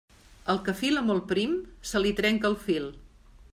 Al que fila molt prim, se li trenca el fil.